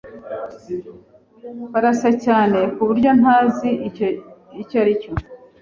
Barasa cyane kuburyo ntazi icyo aricyo.